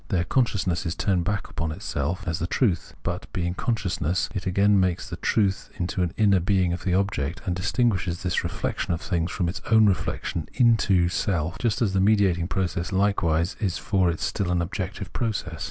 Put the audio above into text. There consciousness is turned back upon itself as the truth ; but, being consciousness, it again makes this truth into an inner being of the object, and distinguishes this reflection of things from its own reflection into self : just as the mediating process likewise is for it still an objective process.